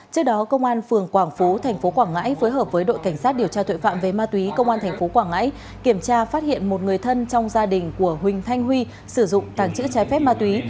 trước đó công an phường quảng phú tp quảng ngãi phối hợp với đội cảnh sát điều tra tội phạm về ma túy công an tp quảng ngãi kiểm tra phát hiện một người thân trong gia đình của huỳnh thanh huy sử dụng tàng trữ trái phép ma túy